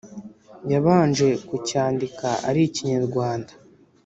yabanje kucyandika ari ik’ikinyarwanda